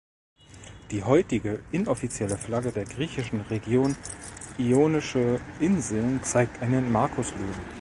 Die heutige inoffizielle Flagge der griechischen Region Ionische Inseln zeigt einen Markuslöwen.